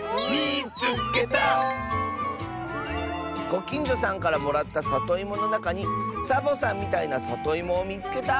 「ごきんじょさんからもらったさといものなかにサボさんみたいなさといもをみつけた！」。